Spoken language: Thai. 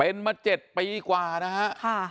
เป็นมา๗ปีกว่านะฮะ